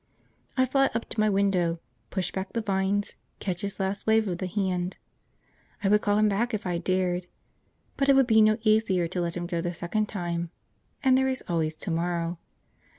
I fly up to my window, push back the vines, catch his last wave of the hand. I would call him back, if I dared; but it would be no easier to let him go the second time, and there is always to morrow.